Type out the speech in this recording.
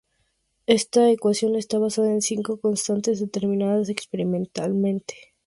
Esta ecuación está basada en cinco constantes determinadas experimentalmente.